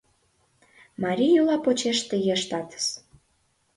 Марий йӱла почеш тыге ыштатыс.